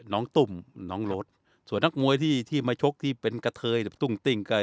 ตุ้มน้องรถส่วนนักมวยที่ที่มาชกที่เป็นกะเทยหรือตุ้งติ้งก็